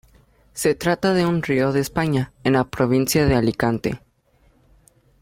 Se trata de un río de España, en la provincia de Alicante.